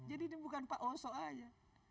jadi ini bukan pak oso saja